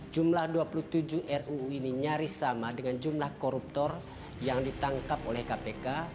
jumlah dua puluh tujuh ruu ini nyaris sama dengan jumlah koruptor yang ditangkap oleh kpk